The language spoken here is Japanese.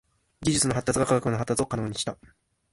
技術の発達が科学の発達を可能にした。